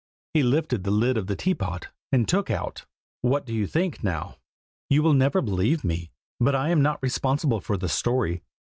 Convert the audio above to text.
He lifted the lid of the teapot, and took out what do you think, now? You will never believe me, but I am not responsible for the story.